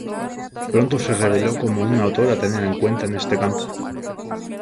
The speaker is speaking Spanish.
Pronto se reveló como un autor a tener en cuenta en este campo.